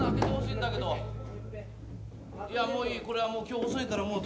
いやもういいこれはもう今日遅いからもうとても駄目。